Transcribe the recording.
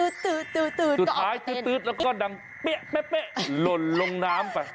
สุดท้ายตื๊ดแล้วก็ดังเป๊ะหล่นลงน้ำไป